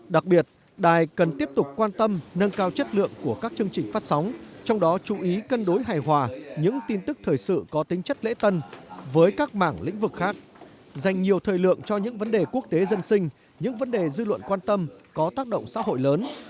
đặc biệt đài cần tiếp tục quan tâm nâng cao chất lượng của các chương trình phát sóng trong đó chú ý cân đối hài hòa những tin tức thời sự có tính chất lễ tân với các mảng lĩnh vực khác dành nhiều thời lượng cho những vấn đề quốc tế dân sinh những vấn đề dư luận quan tâm có tác động xã hội lớn